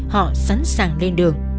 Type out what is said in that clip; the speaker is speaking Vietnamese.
họ sẵn sàng lên đường